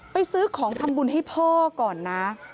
ซื้อของทำบุญให้พ่อก่อนนะ